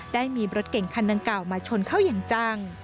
ได้มีรถเก่งคันดังกล่าวมาชนเข้าอย่างจัง